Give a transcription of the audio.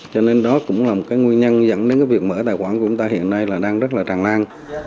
cho nên đó cũng là một nguyên nhân dẫn đến việc mở tài khoản của người ta hiện nay đang rất là tràn lan